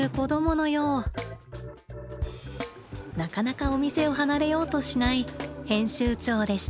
なかなかお店を離れようとしない編集長でした。